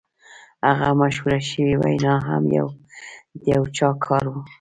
هغه مشهوره شوې وینا هم د یو چا کار و